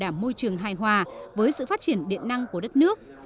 đảm môi trường hài hòa với sự phát triển điện năng của đất nước